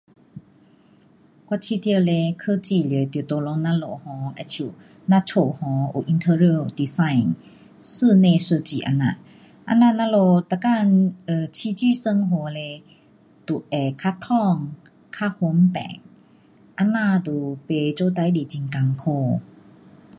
我觉得嘞科技是得 tolong 咱们 um 好像咱家 um 有 interior design 室内设计这样，这样咱们每天呃起居生活嘞就会较通，较方便，这样就不做事情很困苦。